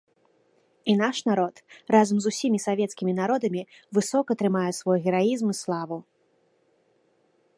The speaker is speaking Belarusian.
І наш народ, разам з усімі савецкімі народамі, высока трымае свой гераізм і славу.